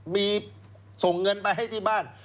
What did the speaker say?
มีส่งเงินไปให้ที่บ้าน